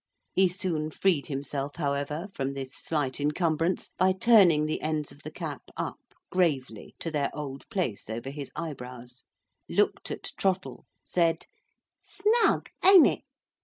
He soon freed himself, however, from this slight encumbrance by turning the ends of the cap up gravely to their old place over his eyebrows—looked at Trottle—said, "Snug, ain't it?